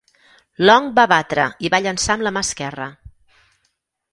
Long va batre i va llançar amb la mà esquerra.